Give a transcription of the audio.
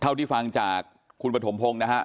เท่าที่ฟังจากคุณปฐมพงศ์นะฮะ